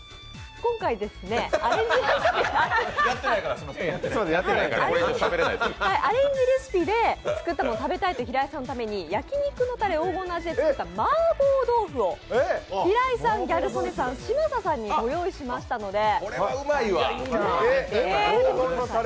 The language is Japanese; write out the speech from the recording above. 今回、アレンジレシピで作ったものを食べたいという平井さんのために焼き肉のタレ黄金の味で作ったマーボー豆腐を平井さん、ギャル曽根さん、嶋佐さんにご用意しましたので。